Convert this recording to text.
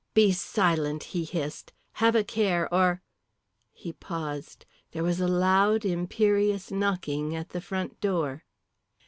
"Be silent!" he hissed; "have a care or " He paused. There was a loud imperious knocking at the front door.